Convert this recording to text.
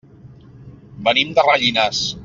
Venim de Rellinars.